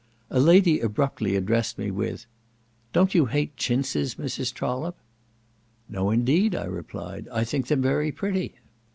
A lady abruptly addressed me with, "Don't you hate chintzes, Mrs. Trollope?" "No indeed," I replied, "I think them very pretty."